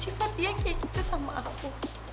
sifat dia kayak gitu sama aku